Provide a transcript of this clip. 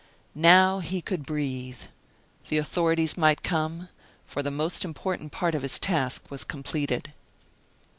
Now he could breathe. The authorities might come, for the most important part of his task was completed.